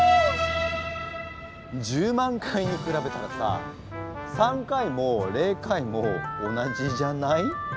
１０万回に比べたらさ３回も０回も同じじゃない？